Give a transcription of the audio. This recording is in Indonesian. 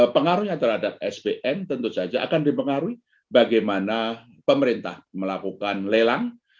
pengaruhnya terhadap sbn tentu saja akan dipengaruhi bagaimana pemerintah melakukan lelang